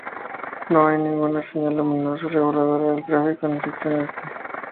No hay ninguna señal luminosa reguladora del tráfico en dirección Este.